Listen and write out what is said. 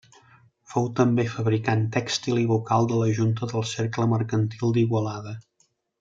Fou també fabricant tèxtil i vocal de la junta del Cercle Mercantil d'Igualada.